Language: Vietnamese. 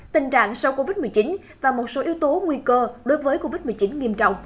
tình trạng sau covid một mươi chín và một số yếu tố nguy cơ đối với covid một mươi chín nghiêm trọng